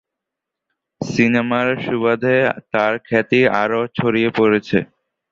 সিনেমার সুবাদে তার খ্যাতি আরও ছড়িয়ে পড়েছে।